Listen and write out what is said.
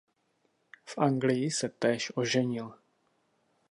V Anglii se též oženil.